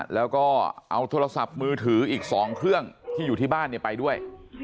แล้วก็เอาโทรศัพท์มือถืออีก๒เครื่องที่อยู่ที่บ้านไปด้วย